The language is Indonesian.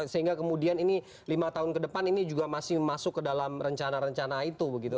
sehingga kemudian ini lima tahun ke depan ini juga masih masuk ke dalam regulasi